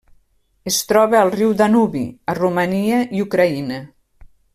Es troba al riu Danubi a Romania i Ucraïna.